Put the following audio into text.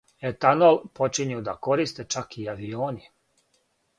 Етанол почињу да користе чак и авиони.